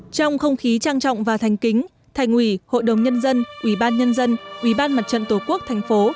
trong không khí trang trọng và thành kính thành ủy hội đồng nhân dân ubnd ubnd tổ quốc thành phố